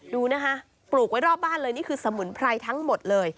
ดูนะคะปลูกไว้รอบบ้านเลยนี่คือสมุนไพรทั้งหมดเลย